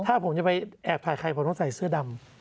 ถ้าผมจะไปแอบถ่ายใครผมต้องใส่เสื้อดำ